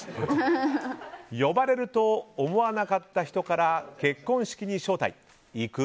呼ばれると思わなかった人から結婚式に招待行く？